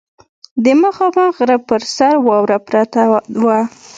د مخامخ غره پر سر واوره پرته وه.